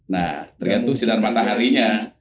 nah tergantung sinar mataharinya